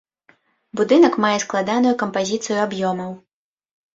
Будынак мае складаную кампазіцыю аб'ёмаў.